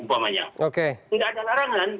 tidak ada larangan